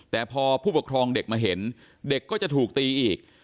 แต่พอผู้ปกครองเด็กมาเห็นเด็กก็จะถูกตีอีก